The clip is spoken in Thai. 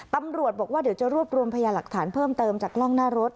ตำรวจบอกว่าเดี๋ยวจะรวบรวมพยาหลักฐานเพิ่มเติมจากกล้องหน้ารถ